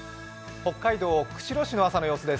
北海道釧路市の朝の様子です。